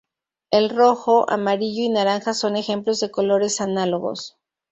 El rojo, amarillo y naranja son ejemplos de colores análogos.